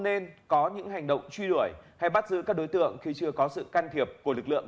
nên có những hành động truy đuổi hay bắt giữ các đối tượng khi chưa có sự can thiệp của lực lượng